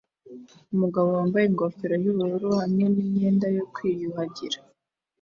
Umugabo wambaye ingofero yubururu hamwe n imyenda yo kwiyuhagira